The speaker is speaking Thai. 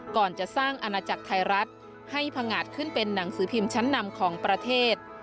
ก่อนจะสร้างอาณาจักรไทยรัฐให้พังงาดขึ้นเป็นหนังสือพิมพ์ชั้นนำของประเทศ